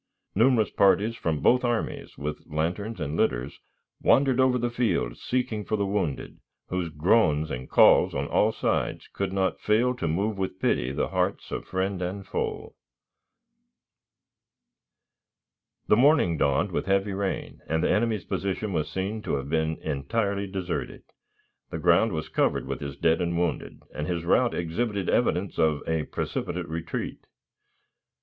Numerous parties from both armies, with lanterns and litters, wandered over the field seeking for the wounded, whose groans and calls on all sides could not fail to move with pity the hearts of friend and foe. The morning dawned with heavy rain, and the enemy's position was seen to have been entirely deserted. The ground was covered with his dead and wounded, and his route exhibited evidence of a precipitate retreat.